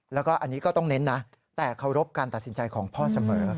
แล้วก็อันนี้ก็ต้องเน้นนะแต่เคารพการตัดสินใจของพ่อเสมอ